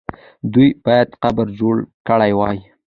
دوی باید قبر جوړ کړی وای.